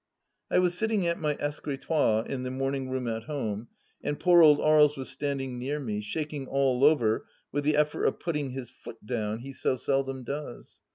I was sitting at my escritoire in the morning room at home, and poor old Aries was standing near me, shaking all over with the effort of putting his foot down, he so seldom does.